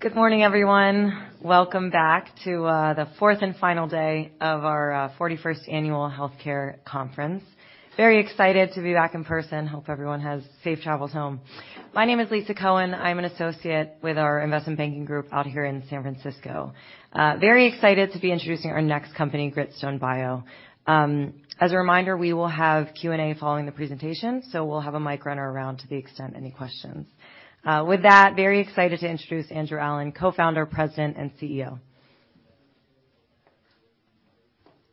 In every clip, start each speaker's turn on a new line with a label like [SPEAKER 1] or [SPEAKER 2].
[SPEAKER 1] Good morning, everyone. Welcome back to the fourth and final day of our 41st annual healthcare conference. Very excited to be back in person. Hope everyone has safe travels home. My name is Lisa Cohen. I'm an associate with our Investment Banking group out here in San Francisco. Very excited to be introducing our next company, Gritstone bio. As a reminder, we will have Q&A following the presentation, so we'll have a mic runner around to the extent any questions. With that, very excited to introduce Andrew Allen, Co-founder, President, and CEO.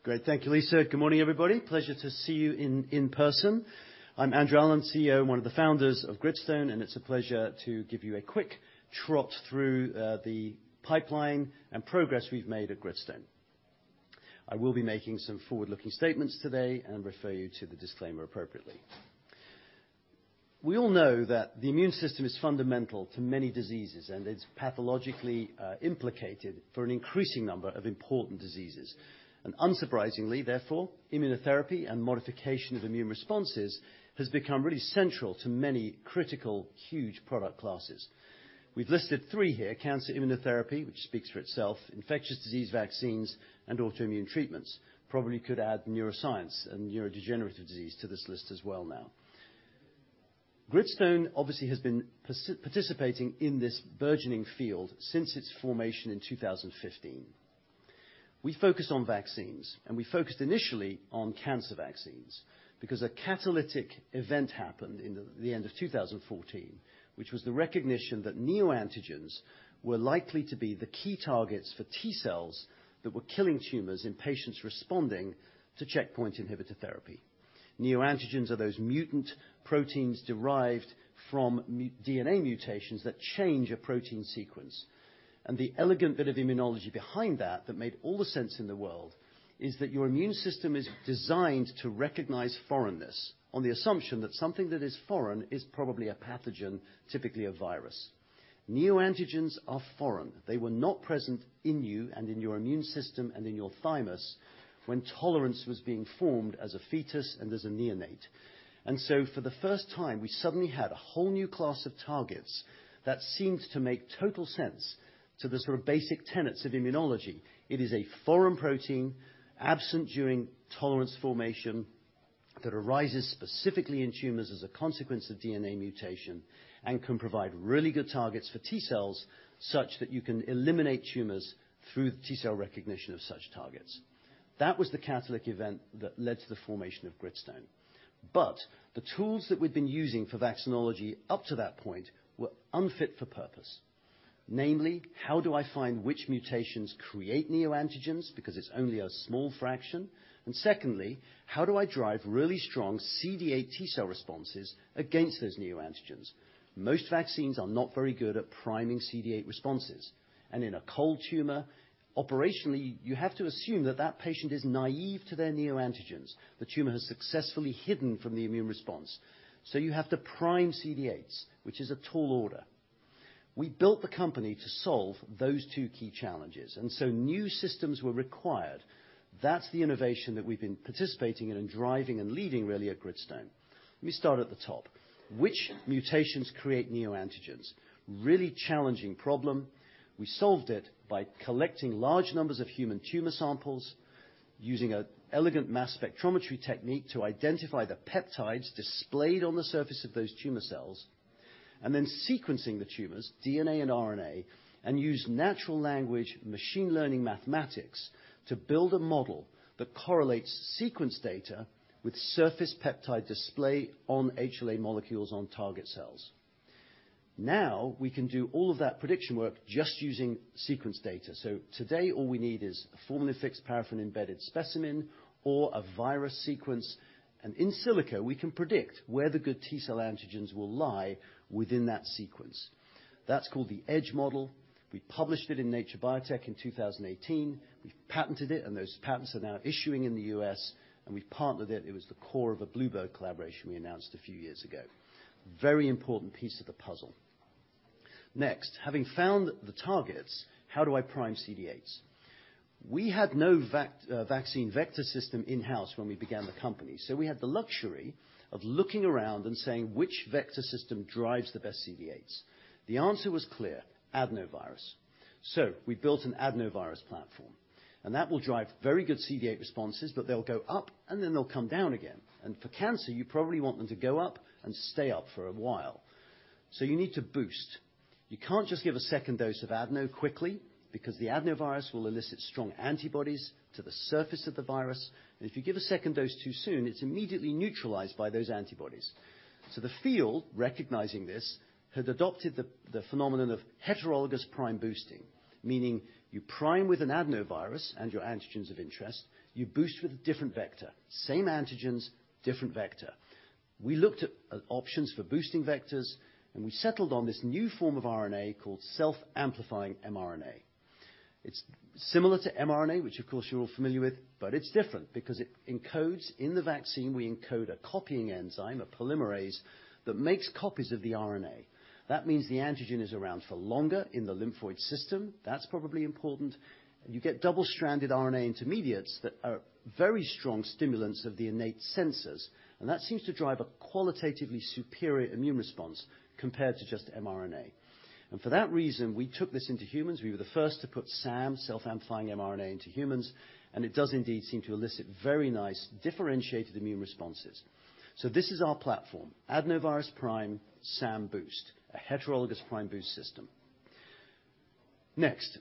[SPEAKER 2] Great. Thank you, Lisa. Good morning, everybody. Pleasure to see you in person. I'm Andrew Allen, CEO, one of the founders of Gritstone, and it's a pleasure to give you a quick trot through the pipeline and progress we've made at Gritstone. I will be making some forward-looking statements today and refer you to the disclaimer appropriately. We all know that the immune system is fundamental to many diseases, and it's pathologically implicated for an increasing number of important diseases. Unsurprisingly, therefore, immunotherapy and modification of immune responses has become really central to many critical, huge product classes. We've listed three here. Cancer immunotherapy, which speaks for itself, infectious disease vaccines, and autoimmune treatments. Probably could add neuroscience and neurodegenerative disease to this list as well now. Gritstone obviously has been participating in this burgeoning field since its formation in 2015.
[SPEAKER 1] We focus on vaccines, we focused initially on cancer vaccines because a catalytic event happened in the end of 2014, which was the recognition that neoantigens were likely to be the key targets for T-cells that were killing tumors in patients responding to checkpoint inhibitor therapy. Neoantigens are those mutant proteins derived from DNA mutations that change a protein sequence. The elegant bit of immunology behind that that made all the sense in the world is that your immune system is designed to recognize foreignness on the assumption that something that is foreign is probably a pathogen, typically a virus. Neoantigens are foreign. They were not present in you and in your immune system and in your thymus when tolerance was being formed as a fetus and as a neonate.
[SPEAKER 2] For the first time, we suddenly had a whole new class of targets that seemed to make total sense to the sort of basic tenets of immunology. It is a foreign protein, absent during tolerance formation, that arises specifically in tumors as a consequence of DNA mutation and can provide really good targets for T-cells such that you can eliminate tumors through the T-cell recognition of such targets. That was the catalytic event that led to the formation of Gritstone. The tools that we'd been using for vaccinology up to that point were unfit for purpose. Namely, how do I find which mutations create neoantigens? Because it's only a small fraction. Secondly, how do I drive really strong CD8 T-cell responses against those neoantigens? Most vaccines are not very good at priming CD8 responses. In a cold tumor, operationally, you have to assume that that patient is naive to their neoantigens. The tumor has successfully hidden from the immune response. You have to prime CD8s, which is a tall order. We built the company to solve those two key challenges, and so new systems were required. That's the innovation that we've been participating in and driving and leading really at Gritstone. Let me start at the top. Which mutations create neoantigens? Really challenging problem. We solved it by collecting large numbers of human tumor samples using a elegant mass spectrometry technique to identify the peptides displayed on the surface of those tumor cells, and then sequencing the tumors, DNA and RNA, and use natural language machine learning mathematics to build a model that correlates sequence data with surface peptide display on HLA molecules on target cells. We can do all of that prediction work just using sequence data. Today, all we need is a Formalin-fixed, paraffin-embedded specimen or a virus sequence, and in silico we can predict where the good T-cell antigens will lie within that sequence. That's called the EDGE Model. We published it in Nature Biotechnology in 2018. We've patented it. Those patents are now issuing in the U.S., and we've partnered it. It was the core of a bluebird bio collaboration we announced a few years ago. Very important piece of the puzzle. Next, having found the targets, how do I prime CD8s? We had no vaccine vector system in-house when we began the company. We had the luxury of looking around and saying, "Which vector system drives the best CD8s?" The answer was clear: adenovirus. We built an adenovirus platform, and that will drive very good CD8 responses, but they'll go up, and then they'll come down again. For cancer, you probably want them to go up and stay up for a while. You need to boost. You can't just give a second dose of adeno quickly because the adenovirus will elicit strong antibodies to the surface of the virus. If you give a second dose too soon, it's immediately neutralized by those antibodies. The field, recognizing this, had adopted the phenomenon of heterologous prime boosting, meaning you prime with an adenovirus and your antigens of interest. You boost with a different vector. Same antigens, different vector. We looked at options for boosting vectors, and we settled on this new form of RNA called self-amplifying mRNA. It's similar to mRNA, which of course you're all familiar with, but in the vaccine, we encode a copying enzyme, a polymerase, that makes copies of the RNA. That means the antigen is around for longer in the lymphoid system. That's probably important. You get double-stranded RNA intermediates that are very strong stimulants of the innate sensors, and that seems to drive a qualitatively superior immune response compared to just mRNA. For that reason, we took this into humans. We were the first to put SAM, self-amplifying mRNA, into humans, and it does indeed seem to elicit very nice differentiated immune responses. This is our platform, adenovirus prime, SAM boost, a heterologous prime boost system. Next,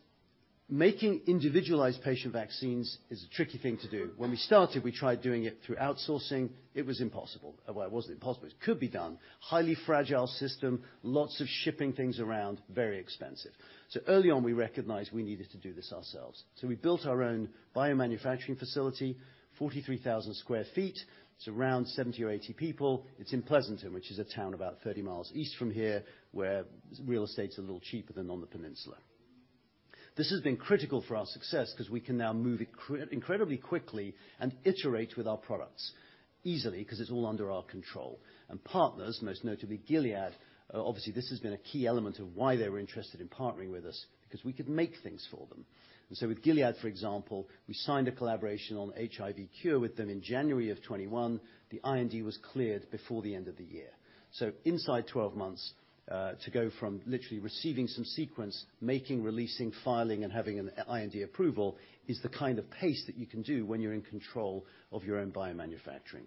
[SPEAKER 2] making individualized patient vaccines is a tricky thing to do. When we started, we tried doing it through outsourcing. It was impossible. Well, it wasn't impossible. It could be done. Highly fragile system, lots of shipping things around, very expensive. Early on, we recognized we needed to do this ourselves. We built our own biomanufacturing facility, 43,000 sq ft. It's around 70 or 80 people. It's in Pleasanton, which is a town about 30 miles east from here, where real estate's a little cheaper than on the peninsula. This has been critical for our success because we can now move it incredibly quickly and iterate with our products easily because it's all under our control. Partners, most notably Gilead, obviously this has been a key element of why they were interested in partnering with us, because we could make things for them. With Gilead, for example, we signed a collaboration on HIV cure with them in January of 2021. The IND was cleared before the end of the year. Inside 12 months, to go from literally receiving some sequence, making, releasing, filing, and having an IND approval is the kind of pace that you can do when you're in control of your own biomanufacturing.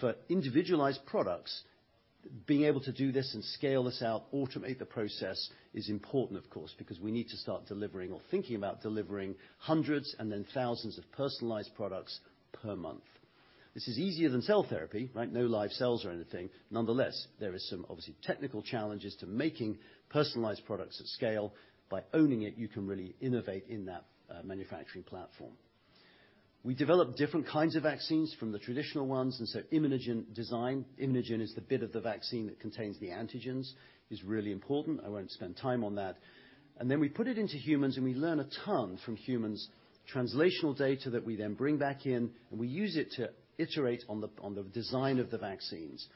[SPEAKER 2] For individualized products, being able to do this and scale this out, automate the process is important, of course, because we need to start delivering or thinking about delivering hundreds and then thousands of personalized products per month. This is easier than cell therapy, right? No live cells or anything. Nonetheless, there is some obviously technical challenges to making personalized products at scale. By owning it, you can really innovate in that manufacturing platform. We develop different kinds of vaccines from the traditional ones. Immunogen design. Immunogen is the bit of the vaccine that contains the antigens. It's really important. I won't spend time on that. Then we put it into humans, and we learn a ton from humans. Translational data that we then bring back in, and we use it to iterate on the design of the vaccines.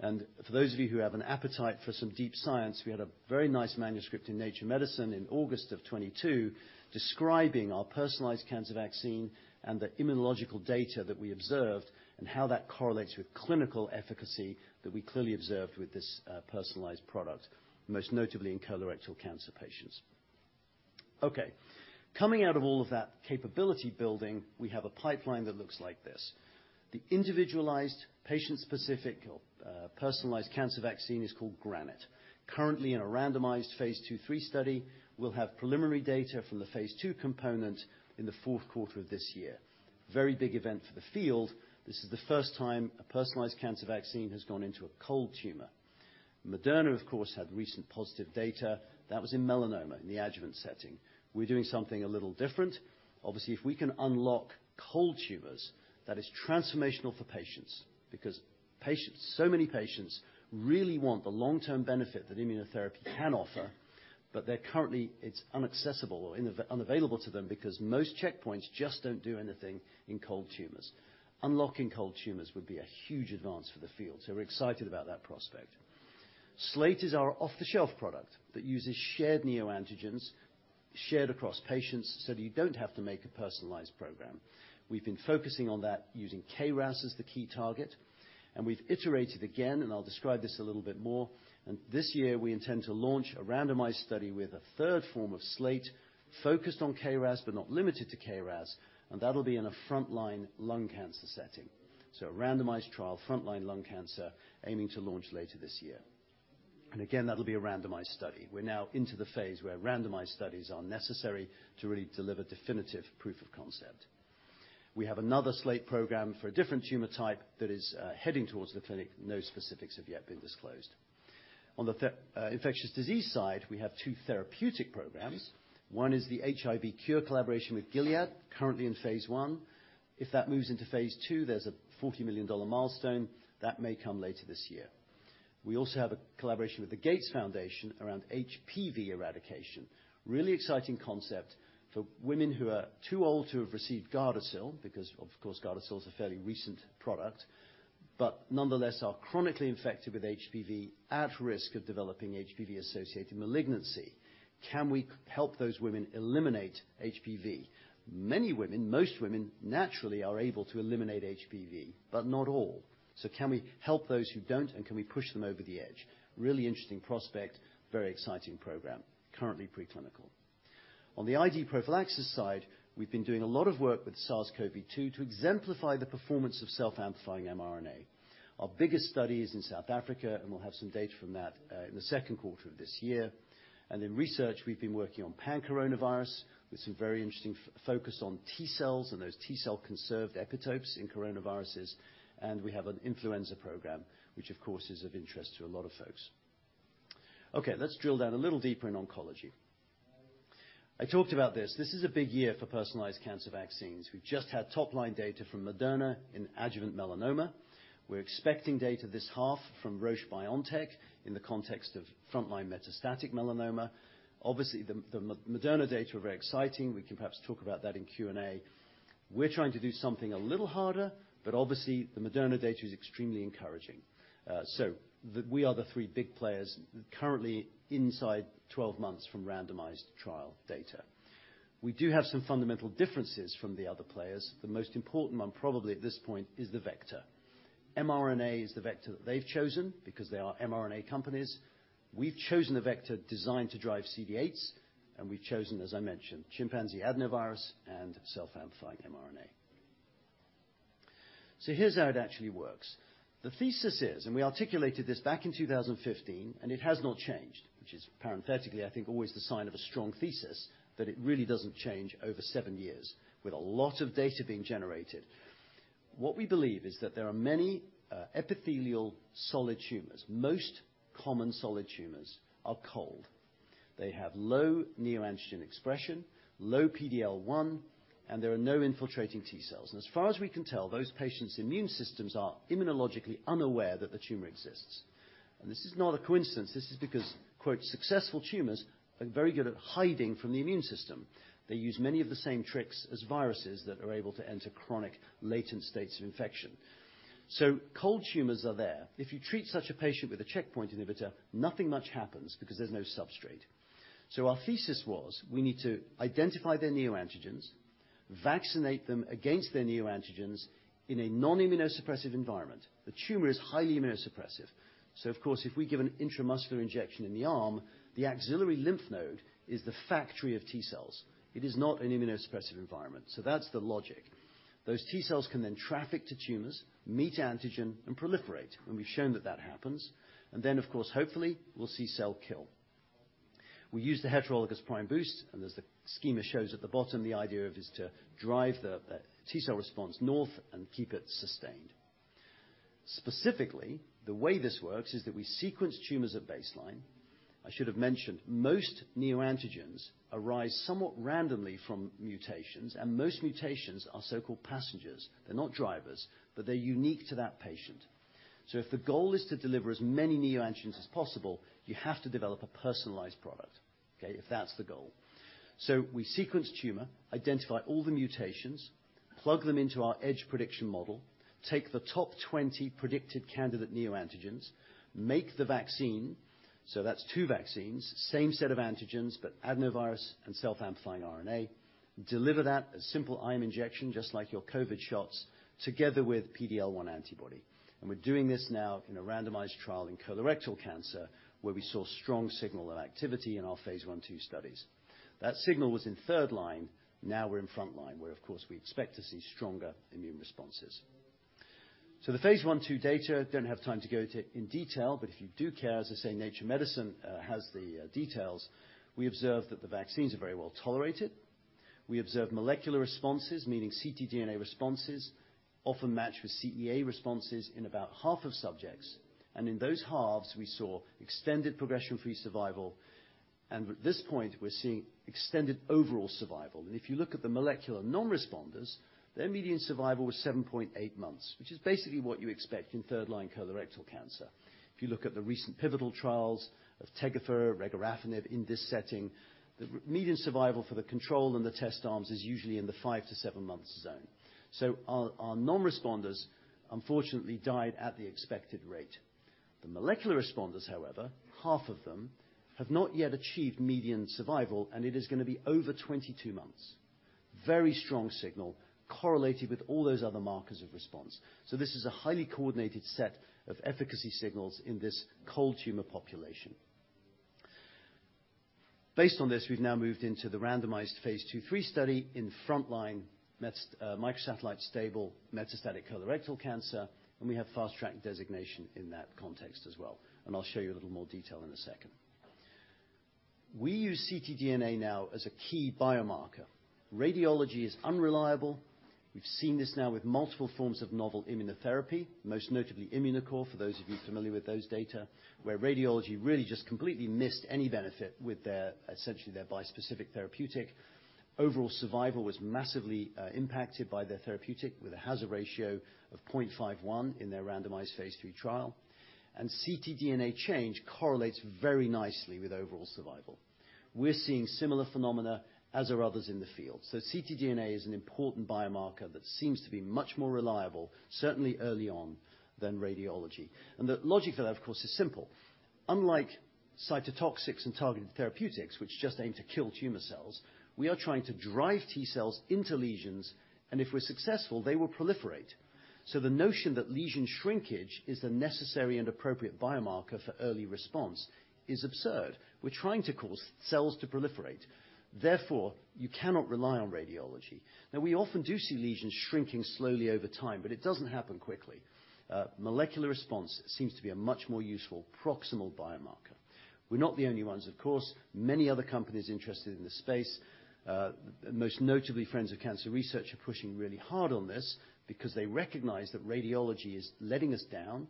[SPEAKER 2] For those of you who have an appetite for some deep science, we had a very nice manuscript in Nature Medicine in August of 2022 describing our personalized cancer vaccine and the immunological data that we observed and how that correlates with clinical efficacy that we clearly observed with this personalized product, most notably in colorectal cancer patients. Okay. Coming out of all of that capability building, we have a pipeline that looks like this. The individualized, patient-specific personalized cancer vaccine is called GRANITE. Currently in a randomized phase II/III study, we'll have preliminary data from the phase II component in the fourth quarter of this year. Very big event for the field. This is the first time a personalized cancer vaccine has gone into a cold tumor. Moderna, of course, had recent positive data. That was in melanoma in the adjuvant setting. We're doing something a little different. Obviously, if we can unlock cold tumors, that is transformational for patients because patients, so many patients really want the long-term benefit that immunotherapy can offer, but they're currently it's inaccessible or unavailable to them because most checkpoints just don't do anything in cold tumors. Unlocking cold tumors would be a huge advance for the field, so we're excited about that prospect. SLATE is our off-the-shelf product that uses shared neoantigens shared across patients, so you don't have to make a personalized program. We've been focusing on that using KRAS as the key target, we've iterated again, I'll describe this a little bit more. This year, we intend to launch a randomized study with a third form of SLATE focused on KRAS, but not limited to KRAS, and that'll be in a frontline lung cancer setting. A randomized trial, frontline lung cancer, aiming to launch later this year. Again, that'll be a randomized study. We're now into the phase where randomized studies are necessary to really deliver definitive proof of concept. We have another SLATE program for a different tumor type that is heading towards the clinic. No specifics have yet been disclosed. On the infectious disease side, we have two therapeutic programs. One is the HIV cure collaboration with Gilead, currently in phase I. If that moves into phase II, there's a $40 million milestone that may come later this year. We also have a collaboration with the Gates Foundation around HPV eradication. Really exciting concept for women who are too old to have received Gardasil, because, of course, Gardasil is a fairly recent product, but nonetheless, are chronically infected with HPV, at risk of developing HPV-associated malignancy. Can we help those women eliminate HPV? Many women, most women, naturally are able to eliminate HPV, but not all. Can we help those who don't, and can we push them over the edge? Really interesting prospect, very exciting program, currently preclinical. On the IG prophylaxis side, we've been doing a lot of work with SARS-CoV-2 to exemplify the performance of self-amplifying mRNA. Our biggest study is in South Africa, and we'll have some data from that in second quarter of this year. In research, we've been working on pan-coronavirus with some very interesting focus on T-cells and those T-cell conserved epitopes in coronaviruses. We have an influenza program, which of course is of interest to a lot of folks. Okay, let's drill down a little deeper in oncology. I talked about this. This is a big year for personalized cancer vaccines. We've just had top-line data from Moderna in adjuvant melanoma. We're expecting data this half from Roche BioNTech in the context of frontline metastatic melanoma. Obviously, the Moderna data are very exciting. We can perhaps talk about that in Q&A. We're trying to do something a little harder, but obviously, the Moderna data is extremely encouraging. We are the three big players currently inside 12 months from randomized trial data. We do have some fundamental differences from the other players. The most important one probably at this point is the vector. mRNA is the vector that they've chosen because they are mRNA companies. We've chosen a vector designed to drive CD8s, and we've chosen, as I mentioned, chimpanzee adenovirus and self-amplifying mRNA. Here's how it actually works. The thesis is, and we articulated this back in 2015, and it has not changed, which is parenthetically, I think, always the sign of a strong thesis, that it really doesn't change over seven years with a lot of data being generated. What we believe is that there are many epithelial solid tumors. Most common solid tumors are cold. They have low neoantigen expression, low PD-L1, and there are no infiltrating T-cells. As far as we can tell, those patients' immune systems are immunologically unaware that the tumor exists. This is not a coincidence. This is because, quote, "Successful tumors are very good at hiding from the immune system. They use many of the same tricks as viruses that are able to enter chronic latent states of infection." Cold tumors are there. If you treat such a patient with a checkpoint inhibitor, nothing much happens because there's no substrate. Our thesis was we need to identify their neoantigens, vaccinate them against their neoantigens in a non-immunosuppressive environment. The tumor is highly immunosuppressive. Of course, if we give an intramuscular injection in the arm, the axillary lymph node is the factory of T-cells. It is not an immunosuppressive environment. That's the logic. Those T-cells can then traffic to tumors, meet antigen, and proliferate, and we've shown that happens. Of course, hopefully, we'll see cell kill. We use the heterologous prime boost, as the schema shows at the bottom, the idea is to drive the T-cell response north and keep it sustained. Specifically, the way this works is that we sequence tumors at baseline. I should have mentioned, most neoantigens arise somewhat randomly from mutations, most mutations are so-called passengers. They're not drivers, they're unique to that patient. If the goal is to deliver as many neoantigens as possible, you have to develop a personalized product, okay? If that's the goal. We sequence tumor, identify all the mutations, plug them into our EDGE prediction model, take the top 20 predicted candidate neoantigens, make the vaccine. That's two vaccines, same set of antigens, but adenovirus and self-amplifying mRNA, deliver that, a simple IM injection just like your COVID shots, together with PD-L1 antibody. We're doing this now in a randomized trial in colorectal cancer, where we saw strong signal of activity in our phase I/II studies. That signal was in third line. Now we're in front line, where, of course, we expect to see stronger immune responses. The phase I/II data, don't have time to go to in detail, but if you do care, as I say, Nature Medicine has the details. We observed that the vaccines are very well tolerated. We observed molecular responses, meaning ctDNA responses often match with CEA responses in about half of subjects. In those halves, we saw extended progression-free survival. At this point, we're seeing extended overall survival. If you look at the molecular non-responders, their median survival was 7.8 months, which is basically what you expect in third line colorectal cancer. If you look at the recent pivotal trials of Tegafur, regorafenib in this setting, the median survival for the control and the test arms is usually in the five to seven months zone. Our non-responders unfortunately died at the expected rate. The molecular responders, however, half of them have not yet achieved median survival, and it is gonna be over 22 months. Very strong signal correlated with all those other markers of response. This is a highly coordinated set of efficacy signals in this cold tumor population. Based on this, we've now moved into the randomized phase II/III study in frontline microsatellite stable metastatic colorectal cancer. We have Fast Track designation in that context as well. I'll show you a little more detail in a second. We use ctDNA now as a key biomarker. Radiology is unreliable. We've seen this now with multiple forms of novel immunotherapy, most notably Immunocore, for those of you familiar with those data, where radiology really just completely missed any benefit with their, essentially their bispecific therapeutic. Overall survival was massively impacted by their therapeutic with a hazard ratio of 0.51 in their randomized phase III trial. ctDNA change correlates very nicely with overall survival. We're seeing similar phenomena as are others in the field. ctDNA is an important biomarker that seems to be much more reliable, certainly early on, than radiology. The logic for that, of course, is simple. Unlike cytotoxics and targeted therapeutics, which just aim to kill tumor cells, we are trying to drive T-cells into lesions, and if we're successful, they will proliferate. The notion that lesion shrinkage is the necessary and appropriate biomarker for early response is absurd. We're trying to cause cells to proliferate. Therefore, you cannot rely on radiology. Now, we often do see lesions shrinking slowly over time, but it doesn't happen quickly. Molecular response seems to be a much more useful proximal biomarker. We're not the only ones, of course. Many other companies interested in this space, most notably Friends of Cancer Research are pushing really hard on this because they recognize that radiology is letting us down.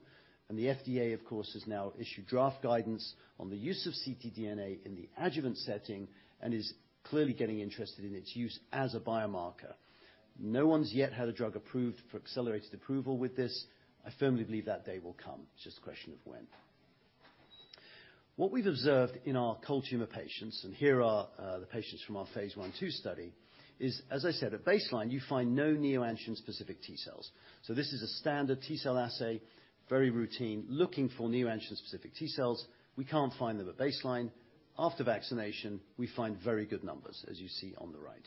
[SPEAKER 2] The FDA, of course, has now issued draft guidance on the use of ctDNA in the adjuvant setting and is clearly getting interested in its use as a biomarker. No one's yet had a drug approved for Accelerated Approval with this. I firmly believe that day will come. It's just a question of when. What we've observed in our cold tumor patients, and here are the patients from our phase I/II study, is, as I said, at baseline, you find no neoantigen-specific T-cells. This is a standard T-cell assay, very routine, looking for neoantigen-specific T-cells. We can't find them at baseline. After vaccination, we find very good numbers, as you see on the right.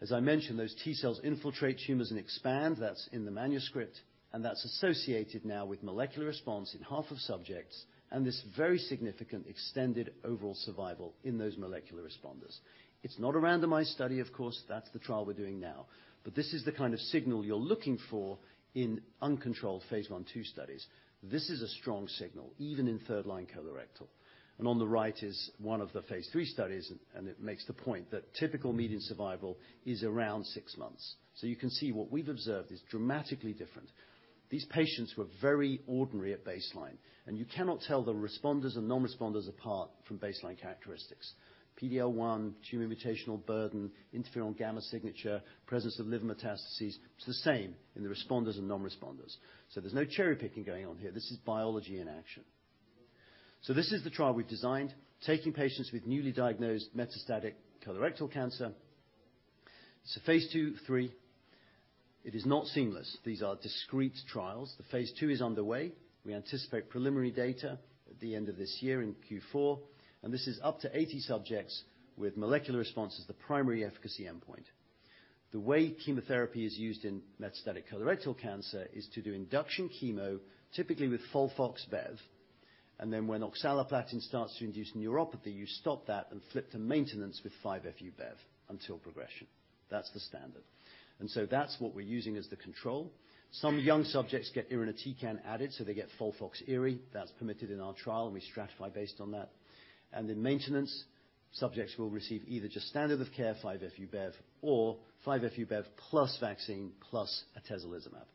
[SPEAKER 2] As I mentioned, those T-cells infiltrate tumors and expand. That's in the manuscript, and that's associated now with molecular response in half of subjects, and this very significant extended overall survival in those molecular responders. It's not a randomized study, of course. That's the trial we're doing now. This is the kind of signal you're looking for in uncontrolled phase I/II studies. This is a strong signal, even in third line colorectal. On the right is one of the phase III studies, and it makes the point that typical median survival is around six months. You can see what we've observed is dramatically different. These patients were very ordinary at baseline, and you cannot tell the responders and non-responders apart from baseline characteristics. PD-L1, tumor mutational burden, interferon gamma signature, presence of liver metastases. It's the same in the responders and non-responders. There's no cherry-picking going on here. This is biology in action. This is the trial we've designed, taking patients with newly diagnosed metastatic colorectal cancer. It's a phase II/III. It is not seamless. These are discrete trials. The phase II is underway. We anticipate preliminary data at the end of this year in Q4, and this is up to 80 subjects with molecular responses, the primary efficacy endpoint. The way chemotherapy is used in metastatic colorectal cancer is to do induction chemo, typically with FOLFOX Bev. Then when oxaliplatin starts to induce neuropathy, you stop that and flip to maintenance with FOLFIRI until progression. That's the standard. That's what we're using as the control. Some young subjects get irinotecan added, so they get FOLFOXIRI. That's permitted in our trial, and we stratify based on that. Then maintenance, subjects will receive either just standard of care FOLFIRI or FOLFIRI, plus vaccine, plus atezolizumab.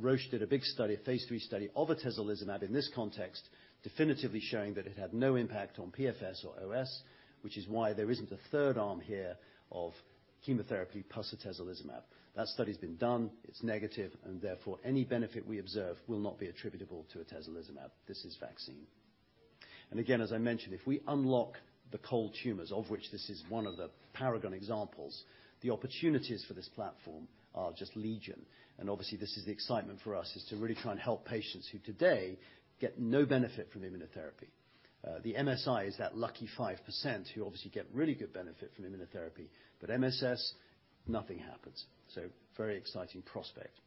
[SPEAKER 2] Roche did a big study, a phase III study of atezolizumab in this context, definitively showing that it had no impact on PFS or OS, which is why there isn't a third arm here of chemotherapy plus atezolizumab. That study's been done, it's negative, and therefore, any benefit we observe will not be attributable to atezolizumab. This is vaccine. Again, as I mentioned, if we unlock the cold tumors, of which this is one of the paragon examples, the opportunities for this platform are just legion. Obviously, this is the excitement for us, is to really try and help patients who today get no benefit from immunotherapy. The MSI is that lucky 5% who obviously get really good benefit from immunotherapy. MSS, nothing happens. Very exciting prospect.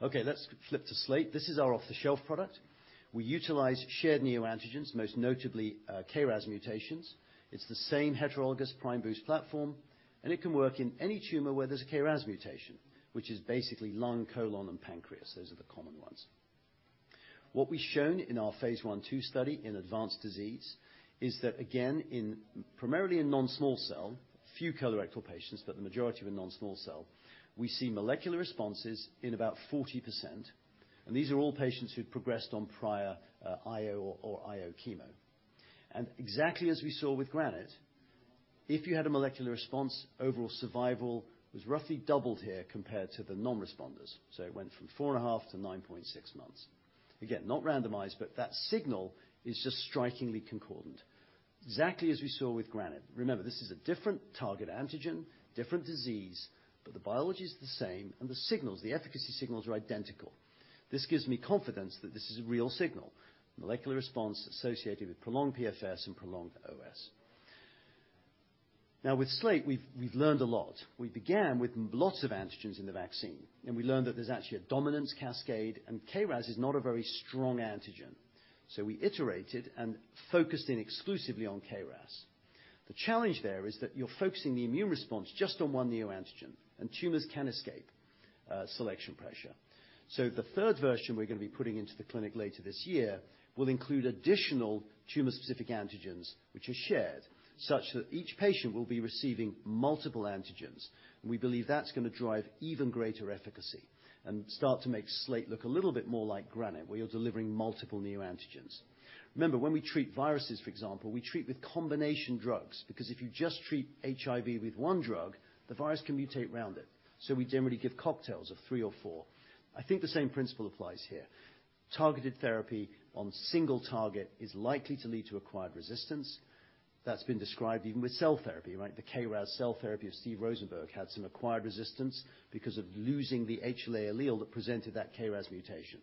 [SPEAKER 2] Okay, let's flip to SLATE. This is our off-the-shelf product. We utilize shared neoantigens, most notably, KRAS mutations. It's the same heterologous prime boost platform, and it can work in any tumor where there's a KRAS mutation, which is basically lung, colon, and pancreas. Those are the common ones. What we've shown in our phase I/II study in advanced disease is that, again, in primarily in non-small cell, few colorectal patients, but the majority were non-small cell, we see molecular responses in about 40%, and these are all patients who've progressed on prior IO or IO chemo. Exactly as we saw with GRANITE, if you had a molecular response, overall survival was roughly doubled here compared to the non-responders. It went from 4.5-9.6 months. Again, not randomized, that signal is just strikingly concordant, exactly as we saw with GRANITE. Remember, this is a different target antigen, different disease, but the biology is the same and the signals, the efficacy signals are identical. This gives me confidence that this is a real signal. Molecular response associated with prolonged PFS and prolonged OS. With SLATE, we've learned a lot. We began with lots of antigens in the vaccine, and we learned that there's actually a dominance cascade, and KRAS is not a very strong antigen, so we iterated and focused in exclusively on KRAS. The challenge there is that you're focusing the immune response just on one neoantigen, and tumors can escape selection pressure. The third version we're going to be putting into the clinic later this year will include additional tumor-specific antigens which are shared, such that each patient will be receiving multiple antigens. We believe that's gonna drive even greater efficacy and start to make SLATE look a little bit more like GRANITE, where you're delivering multiple neoantigens. Remember, when we treat viruses, for example, we treat with combination drugs, because if you just treat HIV with one drug, the virus can mutate around it. We generally give cocktails of three or four. I think the same principle applies here. Targeted therapy on single target is likely to lead to acquired resistance. That's been described even with cell therapy, right? The KRAS cell therapy of Steven Rosenberg had some acquired resistance because of losing the HLA allele that presented that KRAS mutation.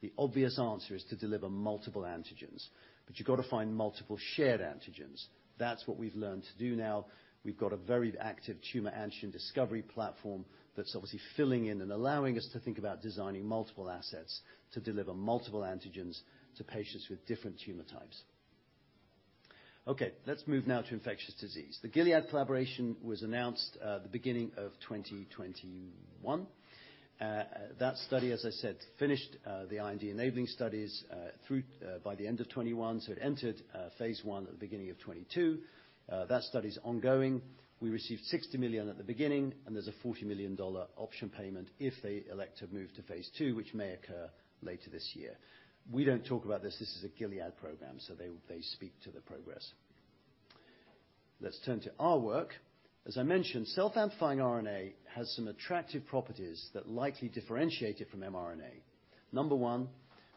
[SPEAKER 2] The obvious answer is to deliver multiple antigens. You gotta find multiple shared antigens. That's what we've learned to do now. We've got a very active tumor antigen discovery platform that's obviously filling in and allowing us to think about designing multiple assets to deliver multiple antigens to patients with different tumor types. Okay. Let's move now to infectious disease. The Gilead collaboration was announced, the beginning of 2021. That study, as I said, finished the IND enabling studies through by the end of 2021. It entered phase I at the beginning of 2022. That study's ongoing. We received $60 million at the beginning, and there's a $40 million option payment if they elect to move to phase II, which may occur later this year. We don't talk about this. This is a Gilead program, so they speak to the progress. Let's turn to our work. As I mentioned, self-amplifying RNA has some attractive properties that likely differentiate it from mRNA. Number one,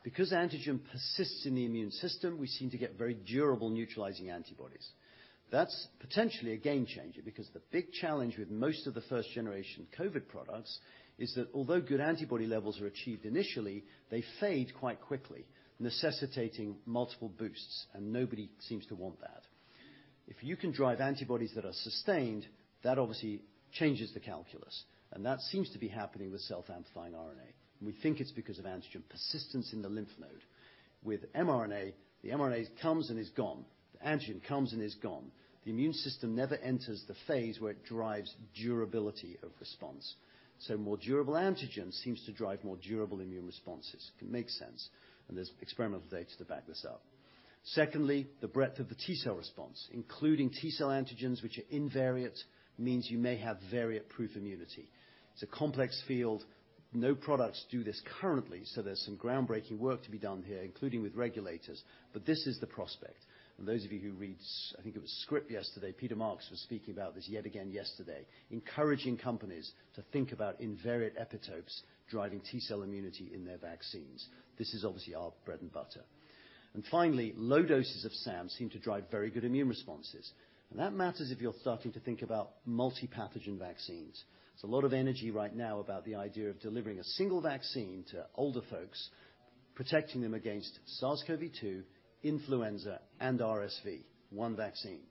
[SPEAKER 2] because antigen persists in the immune system, we seem to get very durable neutralizing antibodies. That's potentially a game changer because the big challenge with most of the first generation COVID products is that although good antibody levels are achieved initially, they fade quite quickly, necessitating multiple boosts. Nobody seems to want that. If you can drive antibodies that are sustained, that obviously changes the calculus, and that seems to be happening with self-amplifying RNA. We think it's because of antigen persistence in the lymph node. With mRNA, the mRNAs comes and is gone. The antigen comes and is gone. The immune system never enters the phase where it drives durability of response. More durable antigen seems to drive more durable immune responses. It makes sense. There's experimental data to back this up. Secondly, the breadth of the T-cell response, including T-cell antigens, which are invariant, means you may have variant-proof immunity. It's a complex field. No products do this currently. There's some groundbreaking work to be done here, including with regulators. This is the prospect. Those of you who read, I think it was Scrip yesterday, Peter Marks was speaking about this yet again yesterday, encouraging companies to think about invariant epitopes driving T-cell immunity in their vaccines. This is obviously our bread and butter. Finally, low doses of SAM seem to drive very good immune responses. That matters if you're starting to think about multi-pathogen vaccines. There's a lot of energy right now about the idea of delivering a single vaccine to older folks, protecting them against SARS-CoV-2, influenza, and RSV. One vaccine.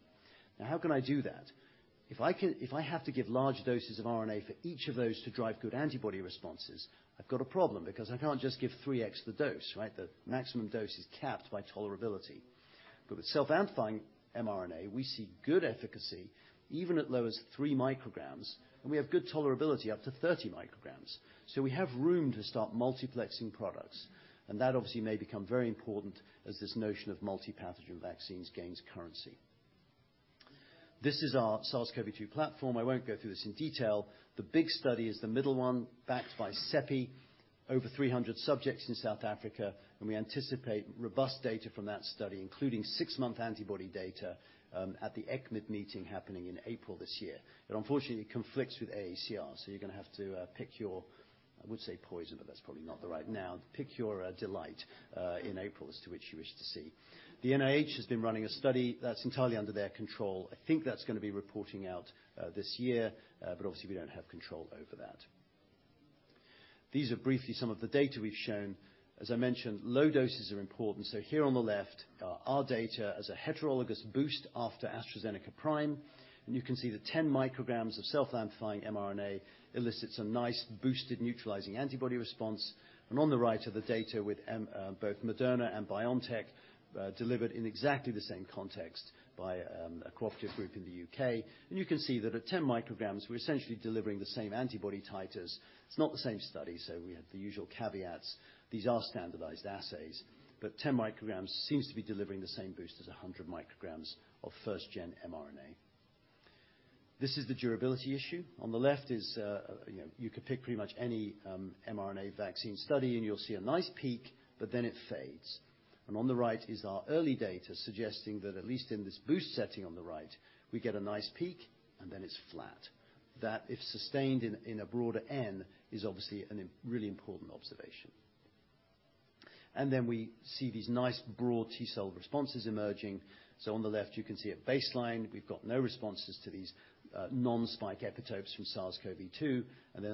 [SPEAKER 2] How can I do that? If I have to give large doses of RNA for each of those to drive good antibody responses, I've got a problem, because I can't just give 3x the dose, right? The maximum dose is capped by tolerability. With self-amplifying mRNA, we see good efficacy, even at low as three micrograms, and we have good tolerability up to 30 micrograms. We have room to start multiplexing products, and that obviously may become very important as this notion of multi-pathogen vaccines gains currency. This is our SARS-CoV-2 platform. I won't go through this in detail. The big study is the middle one, backed by CEPI, over 300 subjects in South Africa, and we anticipate robust data from that study, including 6-month antibody data, at the ECCMID meeting happening in April this year. It unfortunately conflicts with AACR, you're gonna have to pick your, I would say poison, but that's probably not the right noun. Pick your delight in April as to which you wish to see. The NIH has been running a study that's entirely under their control. I think that's gonna be reporting out this year, but obviously we don't have control over that. These are briefly some of the data we've shown. As I mentioned, low doses are important. Here on the left are our data as a heterologous boost after AstraZeneca prime. You can see the 10 micrograms of self-amplifying mRNA elicits a nice boosted neutralizing antibody response. On the right are the data with both Moderna and BioNTech delivered in exactly the same context by a cooperative group in the U.K. You can see that at 10 micrograms, we're essentially delivering the same antibody titers. It's not the same study, we have the usual caveats. These are standardized assays. 10 micrograms seems to be delivering the same boost as 100 micrograms of first gen mRNA. This is the durability issue. On the left is, you know, you could pick pretty much any mRNA vaccine study, and you'll see a nice peak, but then it fades. On the right is our early data suggesting that at least in this boost setting on the right, we get a nice peak, and then it's flat. That, if sustained in a broader N, is obviously a really important observation. We see these nice broad T-cell responses emerging. On the left, you can see a baseline. We've got no responses to these non-spike epitopes from SARS-CoV-2.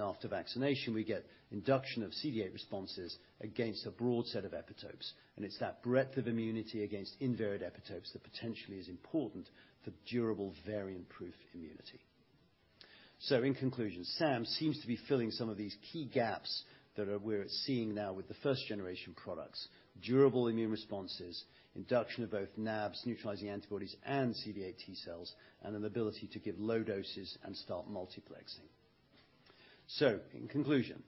[SPEAKER 2] After vaccination, we get induction of CD8 responses against a broad set of epitopes. It's that breadth of immunity against invariant epitopes that potentially is important for durable variant-proof immunity. In conclusion, SAM seems to be filling some of these key gaps we're seeing now with the first generation products: durable immune responses, induction of both NaBs, neutralizing antibodies, and CD8 T-cells, and an ability to give low doses and start multiplexing. In conclusion,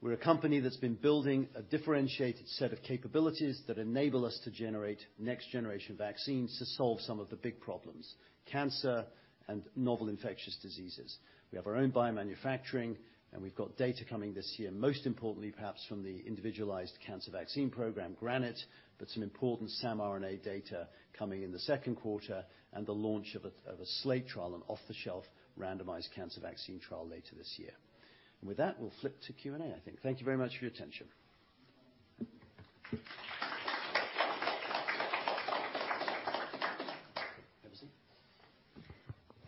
[SPEAKER 2] we're a company that's been building a differentiated set of capabilities that enable us to generate next generation vaccines to solve some of the big problems: cancer and novel infectious diseases. We have our own biomanufacturing, we've got data coming this year, most importantly, perhaps from the individualized cancer vaccine program, GRANITE, but some important SAM RNA data coming in the second quarter, the launch of a SLATE trial, an off-the-shelf randomized cancer vaccine trial later this year. With that, we'll flip to Q&A, I think. Thank you very much for your attention.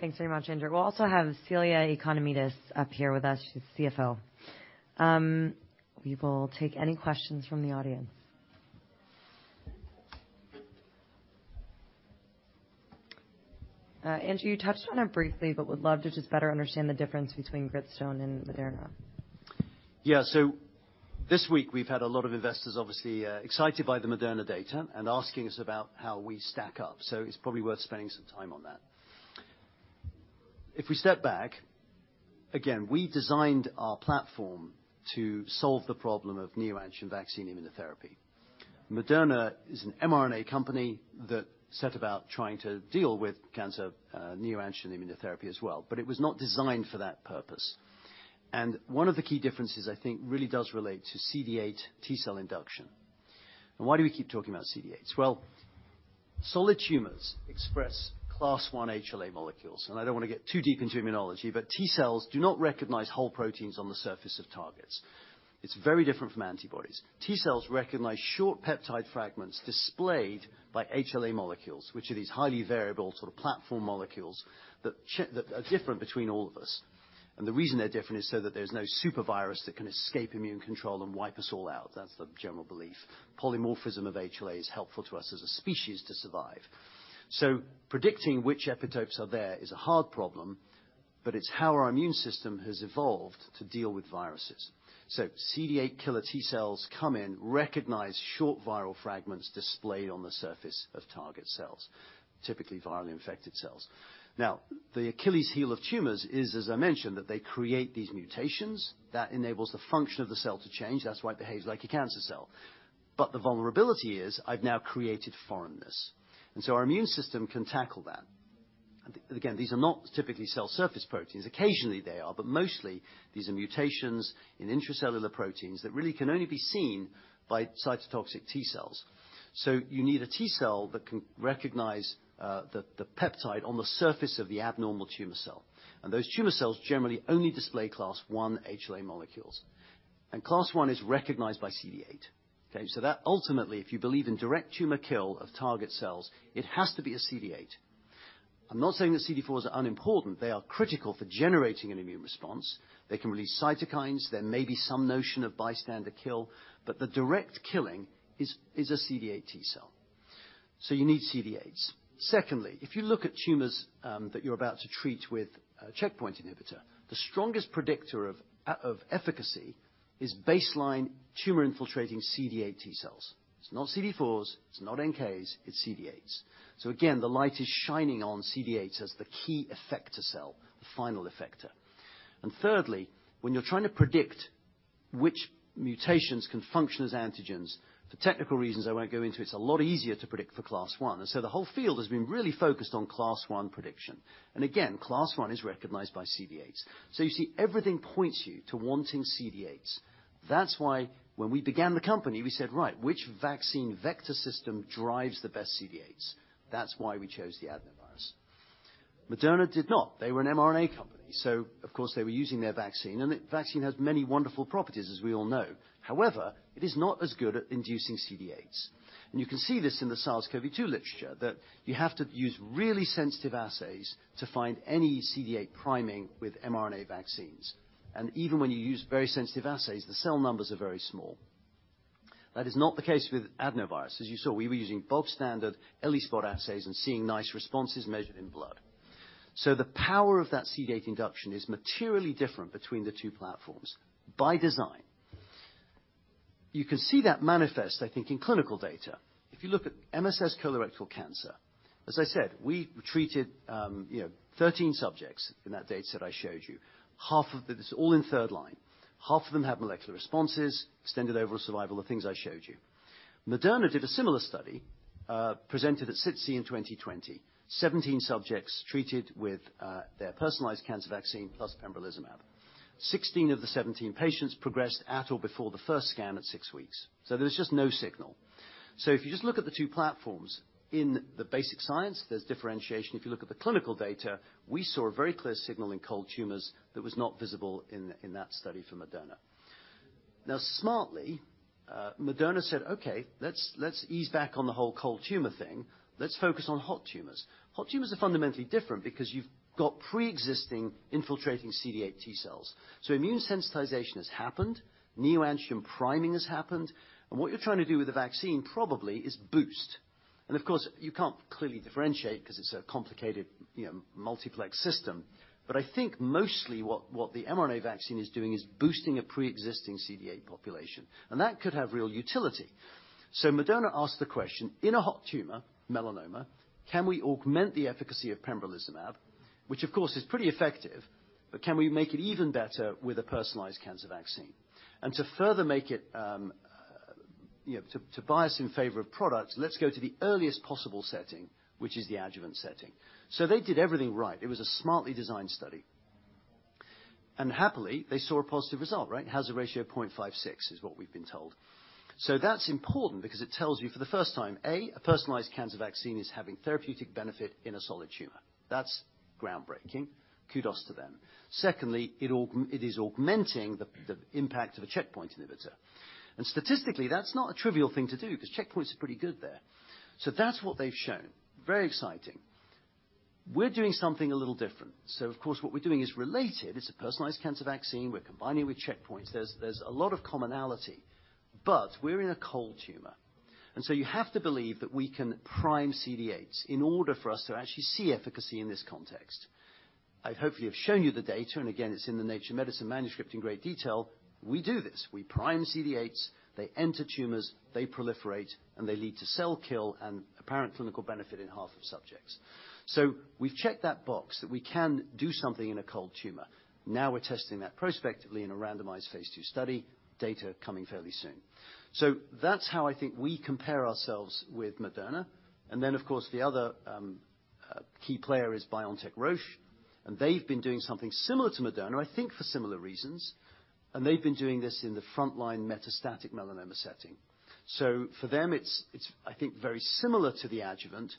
[SPEAKER 1] Thanks very much, Andrew. We'll also have Celia Economides up here with us. She's the CFO. We will take any questions from the audience. Andrew, you touched on it briefly, but would love to just better understand the difference between Gritstone and Moderna.
[SPEAKER 2] Yeah. This week we've had a lot of investors obviously, excited by the Moderna data and asking us about how we stack up. It's probably worth spending some time on that. If we step back, again, we designed our platform to solve the problem of neoantigen vaccine immunotherapy. Moderna is an mRNA company that set about trying to deal with cancer, neoantigen immunotherapy as well, but it was not designed for that purpose. One of the key differences I think really does relate to CD8 T-cell induction. Why do we keep talking about CD8s? Well, solid tumors express Class I HLA molecules, and I don't wanna get too deep into immunology, but T-cells do not recognize whole proteins on the surface of targets. It's very different from antibodies. T-cells recognize short peptide fragments displayed by HLA molecules, which are these highly variable sort of platform molecules that are different between all of us. The reason they're different is so that there's no super virus that can escape immune control and wipe us all out. That's the general belief. Polymorphism of HLA is helpful to us as a species to survive. Predicting which epitopes are there is a hard problem. It's how our immune system has evolved to deal with viruses. CD8 killer T-cells come in, recognize short viral fragments displayed on the surface of target cells, typically virally infected cells. Now, the Achilles heel of tumors is, as I mentioned, that they create these mutations that enables the function of the cell to change. That's why it behaves like a cancer cell. The vulnerability is I've now created foreignness, and so our immune system can tackle that. Again, these are not typically cell surface proteins. Occasionally they are, but mostly these are mutations in intracellular proteins that really can only be seen by cytotoxic T-cells. So you need a T-cell that can recognize the peptide on the surface of the abnormal tumor cell. Those tumor cells generally only display Class I HLA molecules. Class I is recognized by CD8. Okay? So that ultimately, if you believe in direct tumor kill of target cells, it has to be a CD8. I'm not saying that CD4s are unimportant. They are critical for generating an immune response. They can release cytokines. There may be some notion of bystander kill, but the direct killing is a CD8 T-cell. So you need CD8s. Secondly, if you look at tumors that you're about to treat with a checkpoint inhibitor, the strongest predictor of efficacy is baseline tumor-infiltrating CD8 T-cells. It's not CD4s, it's not NK, it's CD8s. Again, the light is shining on CD8s as the key effector cell, the final effector. Thirdly, when you're trying to predict which mutations can function as antigens, for technical reasons I won't go into, it's a lot easier to predict for Class I. The whole field has been really focused on Class I prediction. Again, Class I is recognized by CD8s. You see, everything points you to wanting CD8s. That's why when we began the company, we said, "Right, which vaccine vector system drives the best CD8s?" That's why we chose the adenovirus. Moderna did not. They were an mRNA company, of course, they were using their vaccine. The vaccine has many wonderful properties, as we all know. However, it is not as good at inducing CD8s. You can see this in the SARS-CoV-2 literature, that you have to use really sensitive assays to find any CD8 priming with mRNA vaccines. Even when you use very sensitive assays, the cell numbers are very small. That is not the case with adenovirus. As you saw, we were using bulk standard ELISpot assays and seeing nice responses measured in blood. The power of that CD8 induction is materially different between the two platforms by design. You can see that manifest, I think, in clinical data. If you look at MSS colorectal cancer, as I said, we treated, you know, 13 subjects in that data set I showed you. Half of This is all in third line. Half of them had molecular responses, extended overall survival of things I showed you. Moderna did a similar study, presented at SITC in 2020. 17 subjects treated with their personalized cancer vaccine plus pembrolizumab. 16 of the 17 patients progressed at or before the first scan at six weeks. There was just no signal. If you just look at the two platforms, in the basic science, there's differentiation. If you look at the clinical data, we saw a very clear signal in cold tumors that was not visible in that study for Moderna. Now smartly, Moderna said, "Okay, let's ease back on the whole cold tumor thing. Let's focus on hot tumors." Hot tumors are fundamentally different because you've got preexisting infiltrating CD8 T-cells. Immune sensitization has happened. Neoantigen priming has happened. What you're trying to do with the vaccine probably is boost. Of course, you can't clearly differentiate 'cause it's a complicated, you know, multiplex system. I think mostly what the mRNA vaccine is doing is boosting a preexisting CD8 population, and that could have real utility. Moderna asked the question, in a hot tumor, melanoma, can we augment the efficacy of pembrolizumab? Which of course is pretty effective, but can we make it even better with a personalized cancer vaccine? To further make it, you know, to bias in favor of products, let's go to the earliest possible setting, which is the adjuvant setting. They did everything right. It was a smartly designed study. Happily, they saw a positive result, right? Hazard ratio 0.56 is what we've been told. That's important because it tells you for the first time, A, a personalized cancer vaccine is having therapeutic benefit in a solid tumor. That's groundbreaking. Kudos to them. Secondly, it is augmenting the impact of a checkpoint inhibitor. Statistically, that's not a trivial thing to do 'cause checkpoints are pretty good there. That's what they've shown. Very exciting. We're doing something a little different. Of course, what we're doing is related. It's a personalized cancer vaccine. We're combining with checkpoints. There's a lot of commonality, but we're in a cold tumor. You have to believe that we can prime CD8s in order for us to actually see efficacy in this context. I hopefully have shown you the data, and again, it's in the Nature Medicine manuscript in great detail. We do this. We prime CD8s, they enter tumors, they proliferate, and they lead to cell kill and apparent clinical benefit in half of subjects. We've checked that box that we can do something in a cold tumor. Now we're testing that prospectively in a randomized phase II study, data coming fairly soon. That's how I think we compare ourselves with Moderna. Then, of course, the other key player is BioNTech-Roche, and they've been doing something similar to Moderna, I think for similar reasons. They've been doing this in the frontline metastatic melanoma setting. For them it's I think very similar to the adjuvant,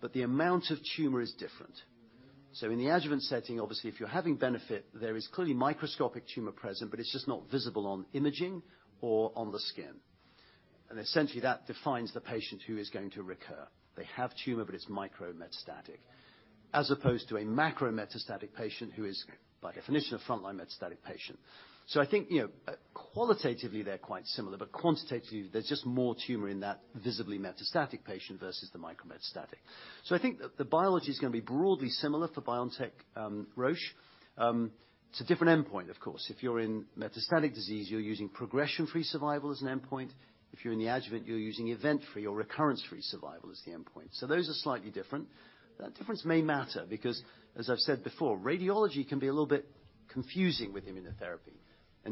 [SPEAKER 2] but the amount of tumor is different. In the adjuvant setting, obviously if you're having benefit, there is clearly microscopic tumor present, but it's just not visible on imaging or on the skin. Essentially that defines the patient who is going to recur. They have tumor, but it's micrometastatic, as opposed to a macrometastatic patient who is by definition a frontline metastatic patient. I think, you know, qualitatively, they're quite similar, but quantitatively, there's just more tumor in that visibly metastatic patient versus the micrometastatic. I think the biology is going to be broadly similar for BioNTech, Roche. It's a different endpoint, of course. If you're in metastatic disease, you're using progression-free survival as an endpoint. If you're in the adjuvant, you're using event-free or recurrence-free survival as the endpoint. Those are slightly different. That difference may matter because, as I've said before, radiology can be a little bit confusing with immunotherapy.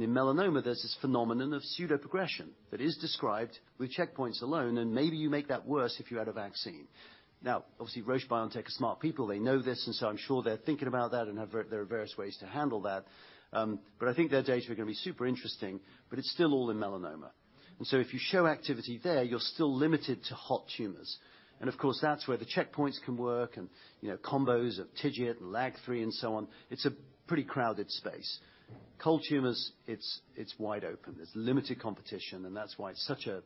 [SPEAKER 2] In melanoma, there's this phenomenon of pseudoprogression that is described with checkpoints alone, and maybe you make that worse if you add a vaccine. Obviously, Roche BioNTech are smart people, they know this, and I'm sure they're thinking about that and there are various ways to handle that. But I think their data are going to be super interesting, but it's still all in melanoma. If you show activity there, you're still limited to hot tumors. Of course, that's where the checkpoints can work and, you know, combos of TIGIT and LAG-3 and so on. It's a pretty crowded space. Cold tumors, it's wide open. There's limited competition, and that's why it's such a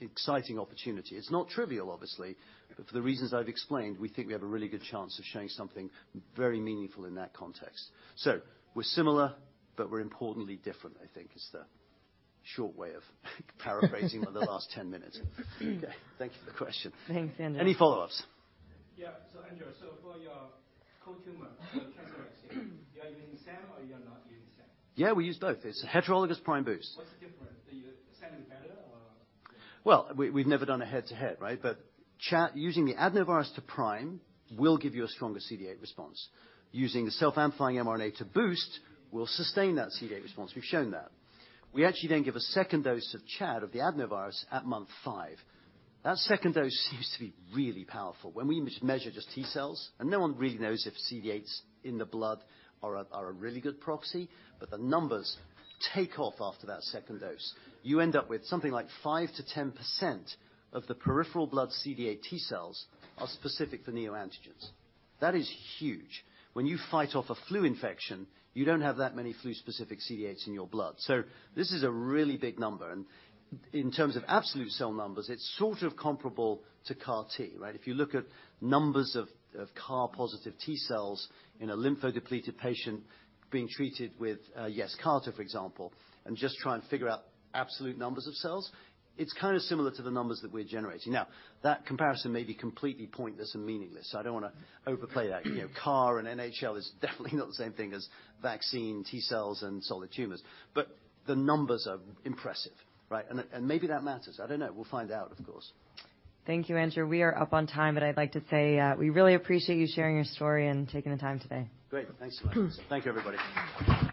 [SPEAKER 2] exciting opportunity. It's not trivial, obviously, but for the reasons I've explained, we think we have a really good chance of showing something very meaningful in that context. We're similar, but we're importantly different, I think is the short way of paraphrasing on the last 10 minutes. Okay, thank you for the question.
[SPEAKER 1] Thanks, Andrew.
[SPEAKER 2] Any follow-ups?
[SPEAKER 3] Yeah. Andrew, for your cold tumor cancer vaccine, you're using SAM or you're not using SAM?
[SPEAKER 2] Yeah, we use both. It's a heterologous prime boost.
[SPEAKER 3] What's the difference? Is SAM better or?
[SPEAKER 2] We've never done a head-to-head, right? Using the adenovirus to prime will give you a stronger CD8 response. Using the self-amplifying mRNA to boost will sustain that CD8 response. We've shown that. We actually then give a second dose of ChAd, of the adenovirus, at month five. That second dose seems to be really powerful. When we measure just T-cells, and no one really knows if CD8s in the blood are a really good proxy, but the numbers take off after that second dose. You end up with something like 5%-10% of the peripheral blood CD8 T-cells are specific for neoantigens. That is huge. When you fight off a flu infection, you don't have that many flu-specific CD8s in your blood. This is a really big number. In terms of absolute cell numbers, it's sort of comparable to CAR T, right? If you look at numbers of CAR-positive T-cells in a lymphodepleted patient being treated with, yes, CAR T, for example, and just try and figure out absolute numbers of cells, it's kinda similar to the numbers that we're generating. That comparison may be completely pointless and meaningless, so I don't wanna overplay that. You know, CAR and NHL is definitely not the same thing as vaccine T-cells and solid tumors. The numbers are impressive, right? Maybe that matters. I don't know. We'll find out, of course.
[SPEAKER 1] Thank you, Andrew. We are up on time, but I'd like to say, we really appreciate you sharing your story and taking the time today.
[SPEAKER 2] Great. Thanks so much. Thank you, everybody.